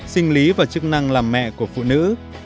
sinh lý và chức năng làm mẹ của phụ nữ